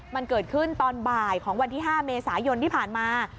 มันเกิดขึ้นตอนบ่ายของวันที่๕เมษายนที่ผ่านมา